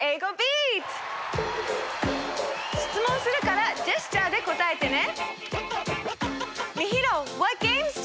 しつもんするからジェスチャーで答えてね。